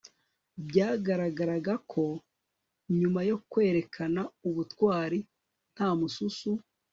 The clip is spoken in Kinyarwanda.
Byagaragaraga ko nyuma yo kwerekana ubutwari nta mususu